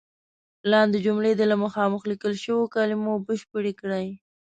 لاندې جملې دې له مخامخ لیکل شوو کلمو بشپړې کړئ.